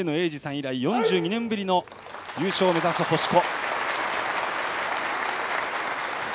以来４２年ぶりの優勝を目指す星子。